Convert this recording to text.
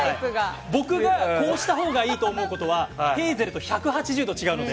僕がこうしたほうがいいと思うことはヘイゼルと１８０度違うので。